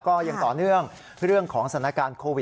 ก็ยังต่อเนื่องเรื่องของสถานการณ์โควิด